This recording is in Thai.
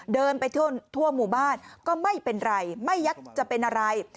เดินไปทั่วหมู่บ้านก็ไม่เป็นไรไม่ยักษ์จะเป็นอะไร